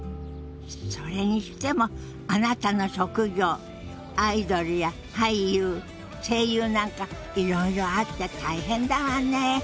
それにしてもあなたの職業アイドルや俳優声優なんかいろいろあって大変だわね。